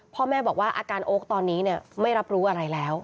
พ่อแม่บอกว่าอาการโอ๊คตอนนี้ไม่รับรู้อะไรแล้ว